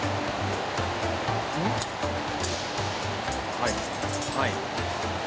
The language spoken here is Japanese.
はいはい。